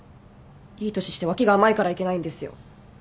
いい年して脇が甘いからいけないんですよ。